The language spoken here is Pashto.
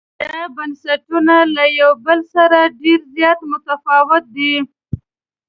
دا بنسټونه له یو بل سره ډېر زیات متفاوت دي.